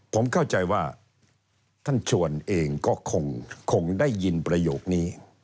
ผมเข้าใจว่าท่านชวนเองก็คงได้ยินประโยคนี้